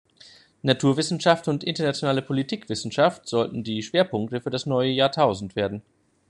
Naturwissenschaft und Internationale Politikwissenschaft sollten die Schwerpunkte für das neue Jahrtausend werden.